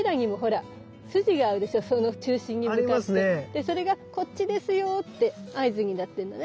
でそれがこっちですよって合図になってんのね。